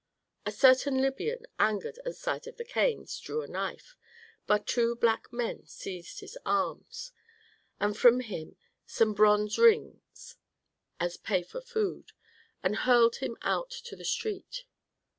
A certain Libyan, angered at sight of the canes, drew a knife, but two black men seized his arms, took from him some bronze rings as pay for food, and hurled him out to the street.